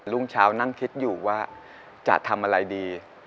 รุ่งเช้านั่งคิดอยู่ว่าจะทำอะไรดี